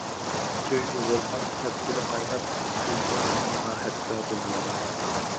سۆيگۈ ۋولقان تەپتىدە قايناپ، كۆيدۈڭ تەنھا ھەتتا دۇنيامۇ.